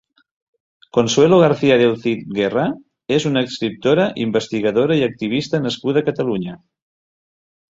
Consuelo García del Cid Guerra és una escriptora, investigadora i activista nascuda a Catalunya.